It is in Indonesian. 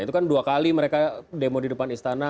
itu kan dua kali mereka demo di depan istana